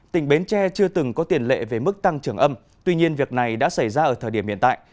tỉnh bến tre chưa từng có tiền lệ về mức tăng trưởng âm tuy nhiên việc này đã xảy ra ở thời điểm hiện tại